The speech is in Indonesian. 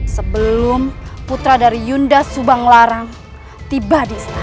sebelum putra dari yunda subanglarang tiba di istana